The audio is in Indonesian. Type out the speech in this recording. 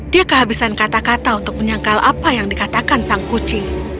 dia kehabisan kata kata untuk menyangkal apa yang dikatakan sang kucing